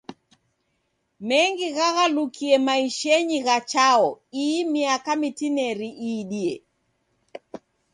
Mengi ghaghalukie maishenyi gha Chao ii miaka mitineri iidie.